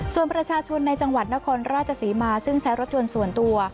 ส่วนประชาชนในจังหวัดนครราชศรีมาซึ่งใช้รถยนต์ส่วนตัว